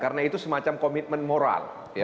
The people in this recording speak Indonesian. karena itu semacam komitmen moral